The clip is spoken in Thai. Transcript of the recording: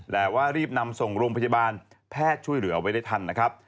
แต่ว่ารีบนำส่งโรงพยาบาลแพทย์ช่วยเหลือไว้ได้ทันนะครับ